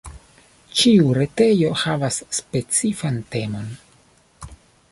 Ĉiu retejo havas specifan temon.